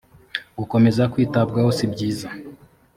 gukomeza kwitabwaho sibyiza